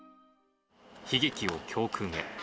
悲劇を教訓へ。